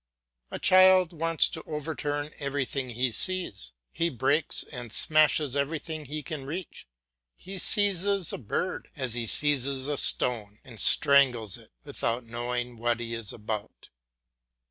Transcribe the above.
A child wants to overturn everything he sees. He breaks and smashes everything he can reach; he seizes a bird as he seizes a stone, and strangles it without knowing what he is about.